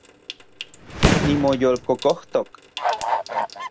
Nimoyolkokojtok